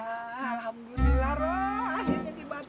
akhirnya dibatalkan loh